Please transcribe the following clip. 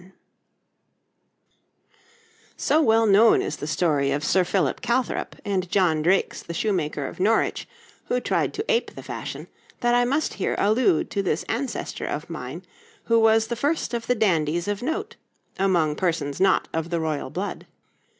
(torso only); three types of shoe; two types of boot; a cod piece}] So well known is the story of Sir Philip Calthrop and John Drakes the shoemaker of Norwich, who tried to ape the fashion, that I must here allude to this ancestor of mine who was the first of the dandies of note, among persons not of the royal blood.